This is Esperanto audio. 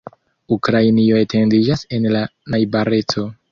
Ukrainio etendiĝas en la najbareco.